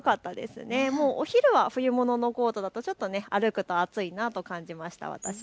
お昼は冬物のコートだと歩くと暑いなと感じました。